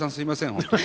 本当に。